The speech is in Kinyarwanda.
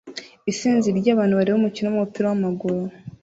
Isinzi ryabantu bareba umukino wumupira wamaguru